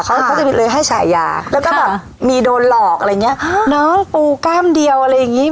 เขาเขาจะเลยให้ฉายาแล้วก็แบบมีโดนหลอกอะไรอย่างเงี้ยน้องปูกล้ามเดียวอะไรอย่างงี้